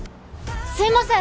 すいません。